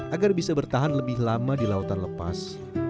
agar bisa bertahan lebih lama di lautan lepas